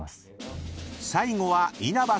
［最後は稲葉さん］